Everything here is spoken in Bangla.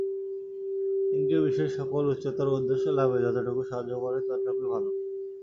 ইন্দ্রিয়-বিষয়সকল উচ্চতর উদ্দেশ্যলাভে যতটুকু সাহায্য করে, ততটুকুই ভাল।